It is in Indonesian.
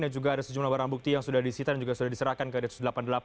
dan juga ada sejumlah barang bukti yang sudah diserahkan ke densus delapan puluh delapan